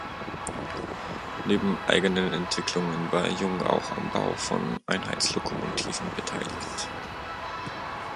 Neben eigenen Entwicklungen war Jung auch am Bau von Einheitslokomotiven beteiligt.